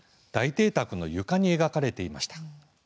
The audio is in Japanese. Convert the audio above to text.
大邸宅の床に描かれていました。